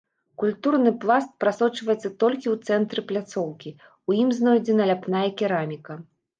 Культурны пласт прасочваецца толькі ў цэнтры пляцоўкі, у ім знойдзена ляпная кераміка.